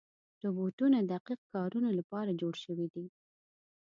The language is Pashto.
روبوټونه د دقیق کارونو لپاره جوړ شوي دي.